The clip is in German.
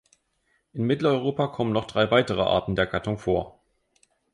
In Mitteleuropa kommen noch drei weitere Arten der Gattung vor.